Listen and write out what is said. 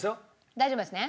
大丈夫ですね？